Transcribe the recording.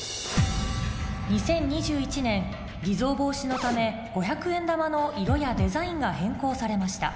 ２０２１年偽造防止のため５００円玉の色やデザインが変更されました